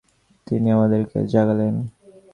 তিনি আমাদেরকে জাগালেন।